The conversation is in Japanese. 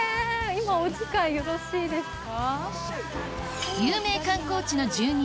今お時間よろしいですか？